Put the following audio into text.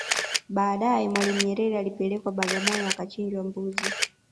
Baadae Mwalimu Nyerere alipelekwa Bagamoyo akachinjwa mbuzi